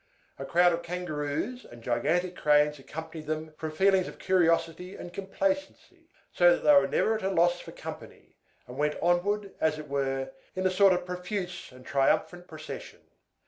A crowd of Kangaroos and gigantic Cranes accompanied them, from feelings of curiosity and complacency; so that they were never at a loss for company, and went onward, as it were, in a sort of profuse and triumphant procession.